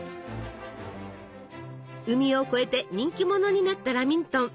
海を越えて人気者になったラミントン。